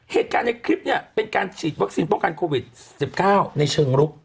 เหตุการณ์ในคลิปเนี่ยเป็นการฉีดวัคซีนป้องกันโควิด๑๙ในเชิงลุก